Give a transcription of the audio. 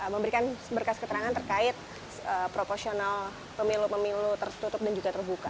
memberikan berkas keterangan terkait proporsional pemilu pemilu tertutup dan juga terbuka